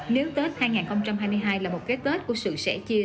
miếng tết hai nghìn hai mươi hai là một cái tết của sự sẻ chia